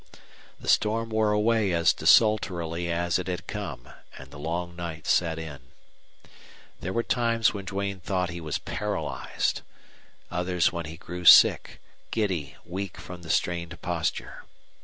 The storm wore away as desultorily as it had come, and the long night set in. There were times when Duane thought he was paralyzed, others when he grew sick, giddy, weak from the strained posture.